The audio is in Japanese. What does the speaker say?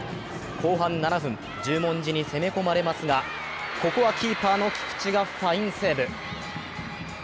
後半７分、十文字に攻め込まれますがここはキーパーの菊地がファインセーブ。